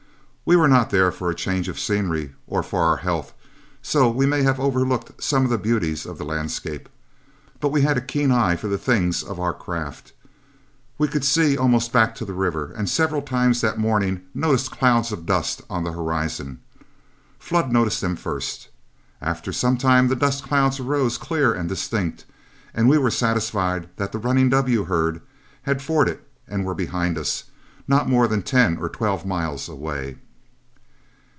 We were not there for a change of scenery or for our health, so we may have overlooked some of the beauties of the landscape. But we had a keen eye for the things of our craft. We could see almost back to the river, and several times that morning noticed clouds of dust on the horizon. Flood noticed them first. After some little time the dust clouds arose clear and distinct, and we were satisfied that the "Running W" herd had forded and were behind us, not more than ten or twelve miles away.